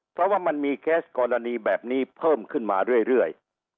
แต่ว่ามันมีแก๊สกอดาณีแบบนี้เพิ่มขึ้นมาเรื่อย